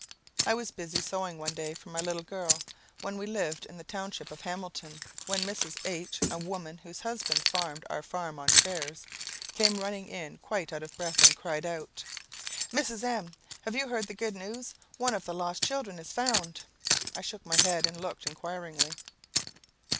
I was busy sewing one day for my little girl, when we lived in the township of Hamilton, when Mrs. H , a woman whose husband farmed our farm on shares, came running in quite out of breath, and cried out "Mrs. M , you have heard the good news? One of the lost children is found!" I shook my head, and looked inquiringly.